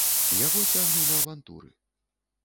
Яго цягне на авантуры.